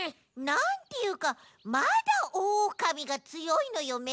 なんていうかまだおおかみがつよいのよ